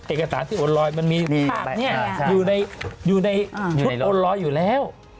เอกสารที่โอนลอยมันมีอยู่ในชุดโอนลอยอยู่แล้ว